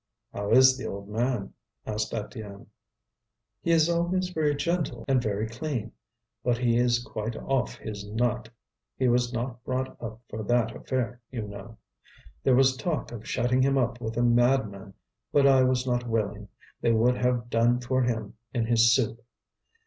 "How is the old man?" asked Étienne. "He is always very gentle and very clean. But he is quite off his nut. He was not brought up for that affair, you know. There was talk of shutting him up with the madmen, but I was not willing; they would have done for him in his soup.